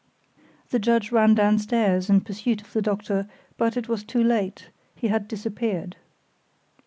The judge ran downstairs in pursuit of the doctor, but it was too late; he had disappeared.